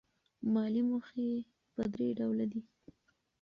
مالي موخې په درې ډوله دي.